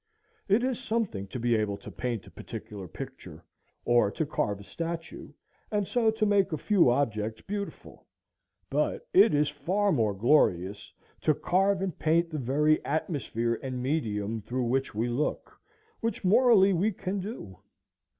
It is something to be able to paint a particular picture, or to carve a statue, and so to make a few objects beautiful; but it is far more glorious to carve and paint the very atmosphere and medium through which we look, which morally we can do.